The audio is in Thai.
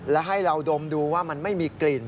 และให้เราดมดูว่ามันไม่มีกลิ่น